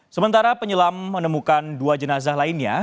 sementara penyelam menemukan dua jenazah lainnya